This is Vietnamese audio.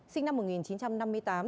sinh năm một nghìn chín trăm năm mươi tám